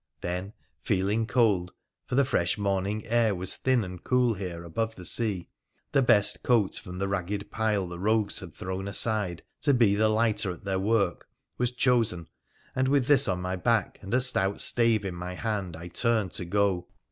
Then, feeling cold — for the fresh morning air was thin and cool here, above the sea — the best coat from the ragged pile the rogues had thrown aside, to be the lighter at their work, was chosen, and, with this on my back, and a stout stave in my hand, I turned to go.